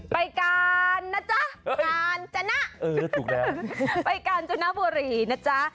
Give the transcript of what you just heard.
ไปกาลนะจ๊ะไปกาลจุนบุรีนะจ๊ะ